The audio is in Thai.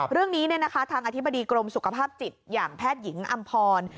เรื่องนี้ทางอธิบดีกรมสุขภาพจิตอย่างแพทย์หญิงอำพร